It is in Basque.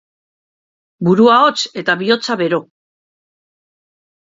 Burua hotz eta bihotza bero.